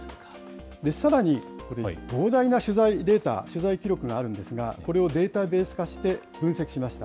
さらに、膨大な取材データ、取材記録があるんですが、これをデータベース化して分析しました。